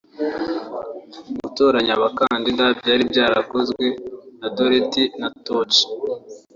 gutoranya abakandida byari byarakozwe na Deloitte na Touché